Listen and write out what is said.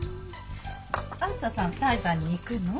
あづささん裁判に行くの？